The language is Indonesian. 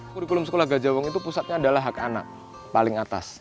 kurikulum sekolah gajah wong itu pusatnya adalah hak anak paling atas